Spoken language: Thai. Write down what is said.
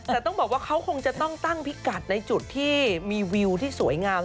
แต่ต้องบอกว่าเขาคงจะต้องตั้งพิกัดในจุดที่มีวิวที่สวยงาม